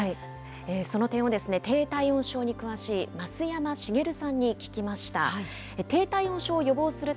その点を低体温症に詳しい増山茂さんに聞きました。